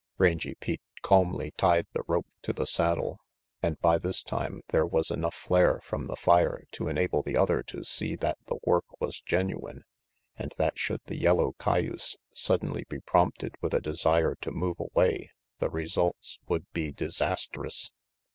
Rangy Pete calmly tied the rope to the saddle, and by this time there was enough flare from the fire to enable the other to see, that the work was genuine, and that should the yellow cayuse suddenly be prompted with a desire to move away the results would be disastrous.